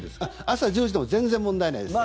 朝１０時でも全然問題ないです。